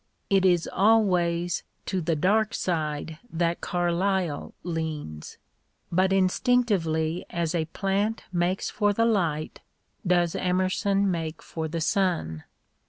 It is always to the dark side that Carlyle leans ; but instinctively as a plant makes for the light does Emerson make for the sun.